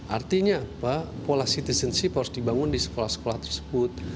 artinya apa pola citizenship harus dibangun di sekolah sekolah tersebut